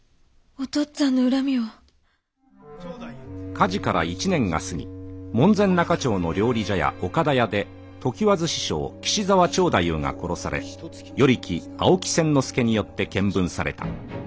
火事から１年が過ぎ門前仲町の料理茶屋岡田屋で常磐津師匠岸沢蝶太夫が殺され与力青木千之介によって検分された。